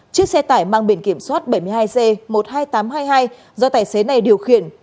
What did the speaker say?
chiếc xe tải mang biển kiểm soát bảy mươi hai g một mươi hai nghìn tám trăm hai mươi hai do tài xế này điều khiển